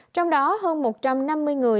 trong đó hơn một trăm năm mươi người